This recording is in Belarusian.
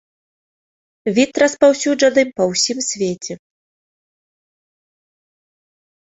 Від распаўсюджаны па ўсім свеце.